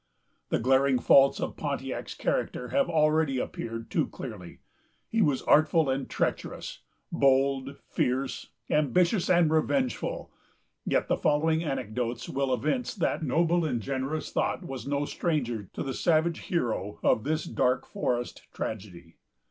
The glaring faults of Pontiac's character have already appeared too clearly. He was artful and treacherous, bold, fierce, ambitious, and revengeful; yet the following anecdotes will evince that noble and generous thought was no stranger to the savage hero of this dark forest tragedy.